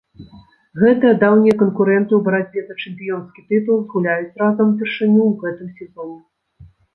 Гэтыя даўнія канкурэнты ў барацьбе за чэмпіёнскі тытул згуляюць разам упершыню ў гэтым сезоне.